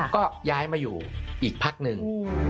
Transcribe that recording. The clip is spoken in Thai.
ก็ย้ายมาอยู่อีกพักหนึ่ง